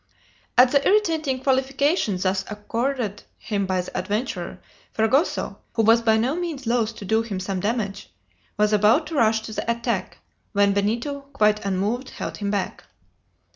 At the irritating qualification thus accorded him by the adventurer, Fragoso, who was by no means loath to do him some damage, was about to rush to the attack, when Benito, quite unmoved, held him back.